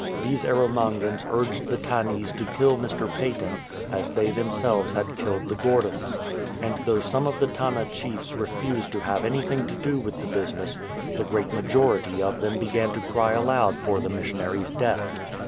These Erromangans urged the Tannese to kill Mr. Paton as they themselves had killed the Gordons ; and though some of the Tanna chiefs refused to have anything to do with the business, the great majority of them began to cry aloud for the missionary's death.